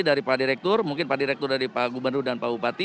dari pak direktur mungkin pak direktur dari pak gubernur dan pak bupati